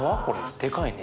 でかいね。